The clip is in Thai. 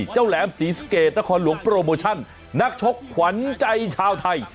แหลมศรีสะเกดนครหลวงโปรโมชั่นนักชกขวัญใจชาวไทย